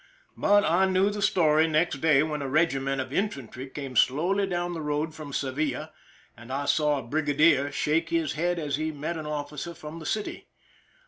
But I knew the story next day when a regiment of infantry came slowly down the road from Sevilla, and I saw a brigadier shake his head as he met an officer from the city.